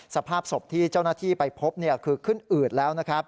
สภาพศพที่เจ้าหน้าที่ไปพบคือขึ้นอืดแล้วนะครับ